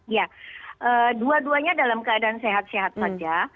ya dua duanya dalam keadaan sehat sehat saja